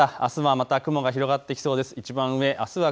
梅雨ですからあすはまた雲が広がってきそうです。